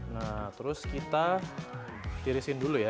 nah terus kita tirisin dulu ya